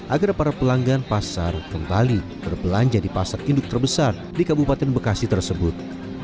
agar para pelanggan pasar kembali berbelanja di pasar induk terbesar di kabupaten bekasi tersebut